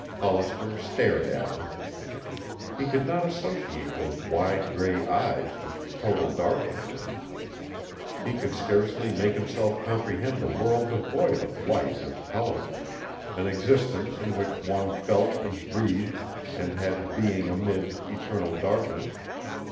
Hollister stared at her. He could not associate those wide gray eyes with total darkness. He could scarcely make himself comprehend a world devoid of light and color, an existence in which one felt and breathed and had being amid eternal darkness.